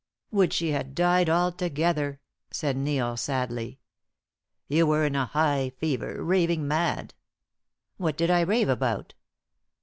"Would she had died altogether!" said Neil, sadly. "You were in a high fever, raving mad." "What did I rave about?"